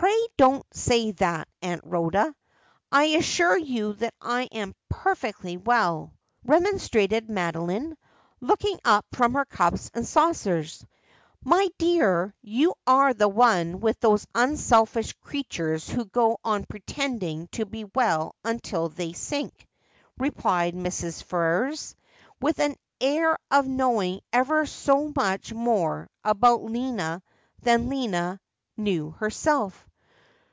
' Pray don't say that, Aunt Rhoda ; I assure you that I am perfectly well,' remonstrated Madeline, looking up from her cups and saucers. ' My dear, you are one of those unselfish creatures who go on pretending to be well until they sink,' replied Mrs. Ferrers, with an air of knowing ever so much more about Lina than Lina knew herself.